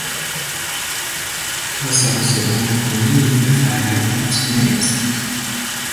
تا سروصدا نکنی به فریادت نمیرسند.